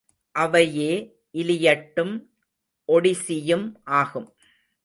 அவையே இலியட்டும் ஒடிசியும் ஆகும்.